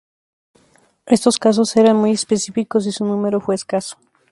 Estos casos eran muy específicos y su número fue escaso.